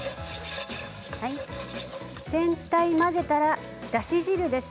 全体混ぜたら、だし汁です。